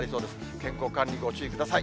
健康管理、ご注意ください。